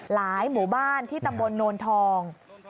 หมู่บ้านที่ตำบลโนนทอง